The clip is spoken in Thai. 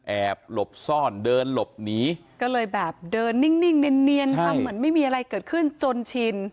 หลบซ่อนเดินหลบหนีก็เลยแบบเดินนิ่งเนียนทำเหมือนไม่มีอะไรเกิดขึ้นจนชิน